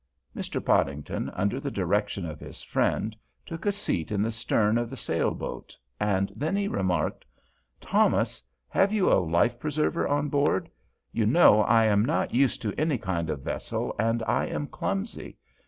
Mr. Podington, under the direction of his friend, took a seat in the stern of the sailboat, and then he remarked: "Thomas, have you a life preserver on board? You know I am not used to any kind of vessel, and I am clumsy.